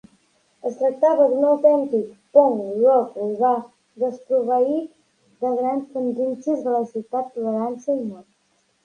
Es tractava d'un autèntic punk rock urbà, desproveït de grans tendències de la ciutat, tolerància i moda.